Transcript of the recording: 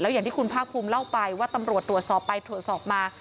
อย่างที่คุณภาคภูมิเล่าไปว่าตำรวจตรวจสอบไปตรวจสอบมา